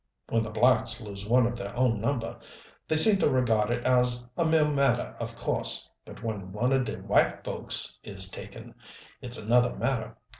When the blacks lose one of their own number they seem to regard it as a mere matter of course but when 'one of de white folks' is taken, it's another matter!